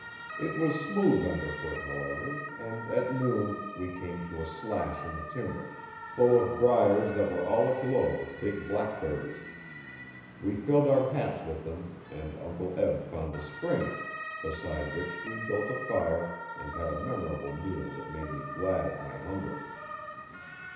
It was smooth under foot, however, and at noon we came to a slash in the timber, full of briars that were all aglow with big blackberries. We filled our hats with them and Uncle Eb found a spring, beside which we built a fire and had a memorable meal that made me glad of my hunger.